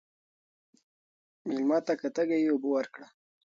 مېلمه ته که تږی وي، اوبه ورکړه.